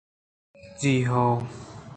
جی ہئو